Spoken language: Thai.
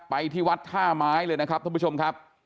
ไปที่วัดท่าไม้เลยนะครับท่านผู้ชมครับ